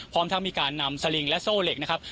พร้อมทั้งมีการนำสลิงและโซ่เหล็กนะครับ